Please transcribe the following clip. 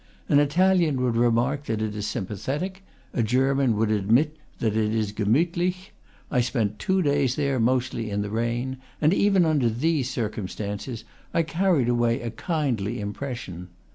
An Italian would remark that it is sympathetic; a German would admit that it is gemuthlich. I spent two days there, mostly in the rain, and even under these circum stances I carried away a kindly impression.